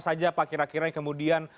saja pak kira kiranya kemudian